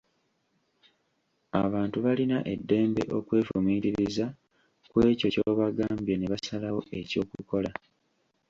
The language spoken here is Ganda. Abantu balina eddembe okwefumiitiriza kw'ekyo ky'obagambye ne basalawo eky'okukola.